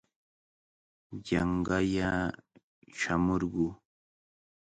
Yanqalla shamurquu.